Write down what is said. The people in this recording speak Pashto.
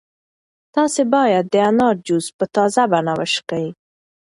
تاسو باید د انار جوس په تازه بڼه وڅښئ.